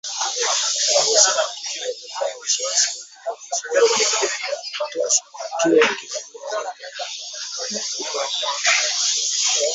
Alisema tulielezea wasiwasi wetu kuhusu watu kuteswa wakiwa kizuizini.